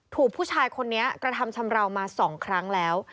ถูกผู้ชายคนนี้กระทำชำราวมา๒ครั้งแล้ว